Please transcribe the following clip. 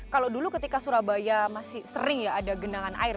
kalau dulu ketika surabaya masih sering ya ada genangan air